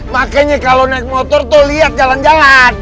makanya kalau naik motor tuh lihat jalan jalan